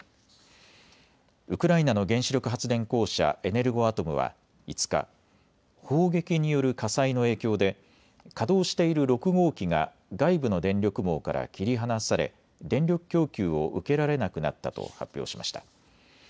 ウクライナの原子力発電公社、エネルゴアトムは５日、砲撃による火災の影響で稼働している６号機が外部の電力網から切り離され電力供給を受けられなくなったと発表しました。